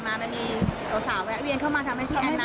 มันมีสาวแวะเวียนเข้ามาทำให้พี่แอนนา